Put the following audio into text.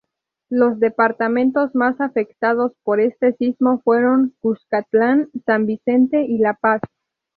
Los departamentos más afectados por este sismo fueron: Cuscatlán, San Vicente y La Paz.